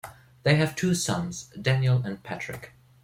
They have two sons, Daniel and Patrick.